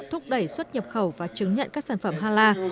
thúc đẩy xuất nhập khẩu và chứng nhận các sản phẩm hala